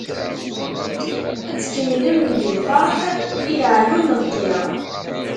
Ad tkemlem deg lferḥ, i leɛyun n ṭṭir.